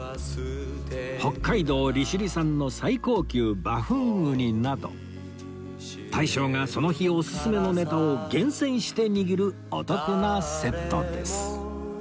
北海道利尻産の最高級バフンウニなど大将がその日オススメのネタを厳選して握るお得なセットです